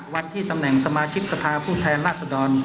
วันที่ตำแหน่งสมาชิกสภาผู้แทนราชดร